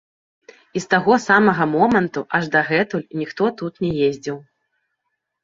І з таго самага моманту аж дагэтуль ніхто тут не ездзіў.